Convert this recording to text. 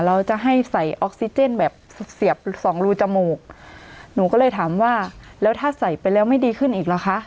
เราจะให้ใส่ออกซิเจนแบบเสียบสองรูจมูกหนูก็เลยถามว่าแล้วถ้าใส่ไปแล้วไม่ดีขึ้นอีกเหรอคะ